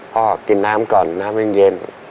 พ่อกินน้ำก่อนน้ำยังเย็น